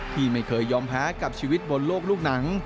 ที่ไม่เคยยอมแพ้กับชีวิตบนโลกลูกหนัง